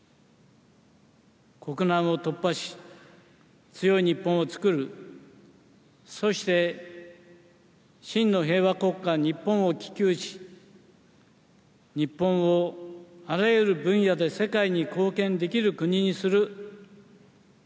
国難を突破し、強い日本を作る、そして真の平和国家、日本を希求し、日本をあらゆる分野で世界に貢献できる国にする。